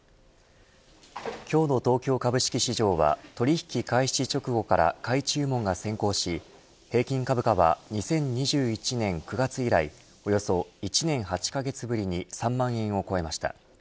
今日の東京株式市場は取引開始直後から買い注文が先行し平均株価は２０２１年９月以来およそ１年８カ月ぶりに３万円を超えました。